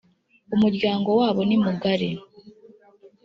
umuryango wabo nimugari.